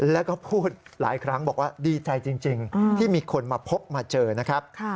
แล้วก็พูดหลายครั้งบอกว่าดีใจจริงที่มีคนมาพบมาเจอนะครับ